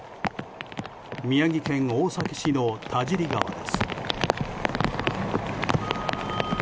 宮城県大崎市の田尻川です。